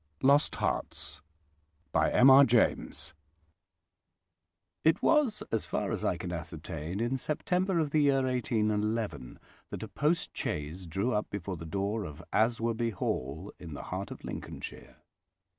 LOST HEARTS It was, as far as I can ascertain, in September of the year 1811 that a post chaise drew up before the door of Aswarby Hall, in the heart of Lincolnshire.